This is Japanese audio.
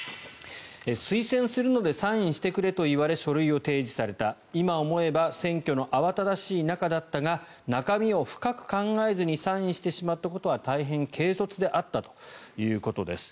推薦するのでサインしてくれと言われ書類を提示された今思えば選挙の慌ただしい中だったが中身を深く考えずにサインしてしまったことは大変軽率であったということです。